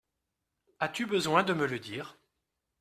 As-tu besoin de me le dire ?